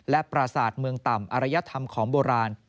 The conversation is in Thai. และปราศาสตร์เมืองต่ำอรยธรรมของโบราณ